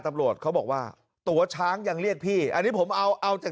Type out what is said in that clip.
ตำรวจเขาบอกว่าตัวช้างยังเรียกพี่อันนี้ผมเอาเอาจาก